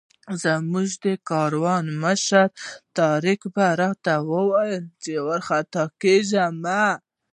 زموږ د کاروان مشر طارق به راته ویل چې وارخطا کېږه مه.